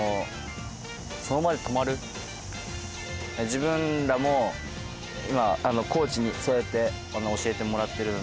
自分らもコーチにそうやって教えてもらってるので。